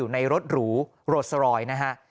ในรถหรูโรสรอยนะฮะ